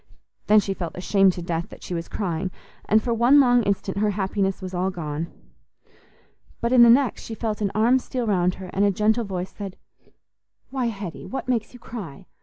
Then she felt ashamed to death that she was crying, and for one long instant her happiness was all gone. But in the next she felt an arm steal round her, and a gentle voice said, "Why, Hetty, what makes you cry?